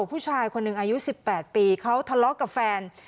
ผู้ชายคนหนึ่งอายุ๑๘ปีเขาทะเลาะกับแฟน